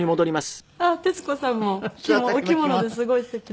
あっ徹子さんもお着物ですごい素敵な。